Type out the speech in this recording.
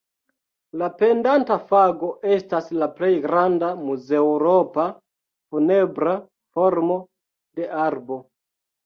La pendanta fago estas la plej granda mezeŭropa funebra formo de arbo.